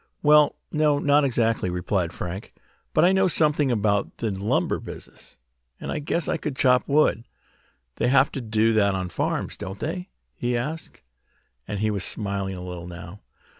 "Well, no, not exactly," replied Frank. "But I know something about the lumber business, and I guess I could chop wood. They have to do that on farms, don't they?" he asked, and he was smiling a little now.